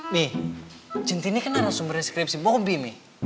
mi centini kan narasumbernya skripsi bobby mi